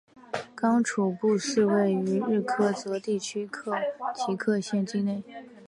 刚楚布寺位于日喀则地区吉隆县境内。